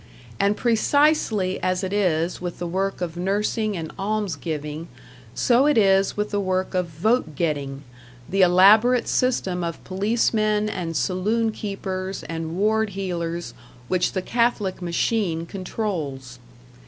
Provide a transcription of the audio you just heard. And precisely as it is with the work of nursing and almsgiving, so it is with the work of vote getting, the elaborate system of policemen and saloon keepers and ward heelers which the Catholic machine controls.